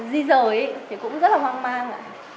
thì cũng rất là hoang mang